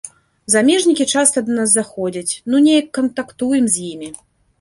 Замежнікі часта да нас заходзяць, ну неяк кантактуем з імі.